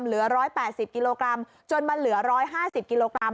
เหลือ๑๘๐กิโลกรัมจนมันเหลือ๑๕๐กิโลกรัม